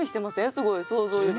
すごい想像よりも。